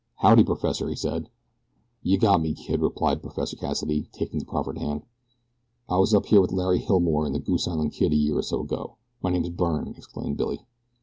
"Howdy, Professor!" he said. "Yeh got me, kid," replied Professor Cassidy, taking the proffered hand. "I was up here with Larry Hilmore and the Goose Island Kid a year or so ago my name's Byrne," exclaimed Billy.